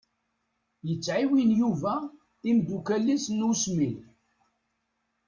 Yettɛiwin Yuba imeddukal-is n usmil.